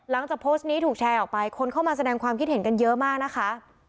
หลังจากโพสต์นี้ถูกแชร์ออกไปคนเข้ามาแสดงความคิดเห็นกันเยอะมากนะคะ